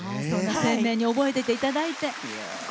鮮明に覚えてていただいて。